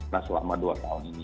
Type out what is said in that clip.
nah selama dua tahun ini